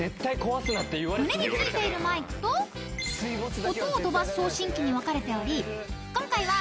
［胸についているマイクと音を飛ばす送信機に分かれており今回は］